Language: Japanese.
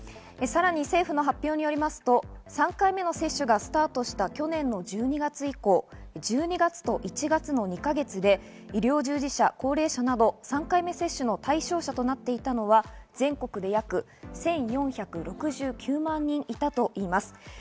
さらに政府の発表によりますと、３回目の接種がスタートした去年の１２月以降、１２月と１月の２か月で医療従事者、高齢者など３回目接種の対象者となっていたのは全国で約１４６９万人いたといいます。